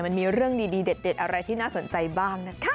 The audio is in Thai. มันมีเรื่องดีเด็ดอะไรที่น่าสนใจบ้างนะคะ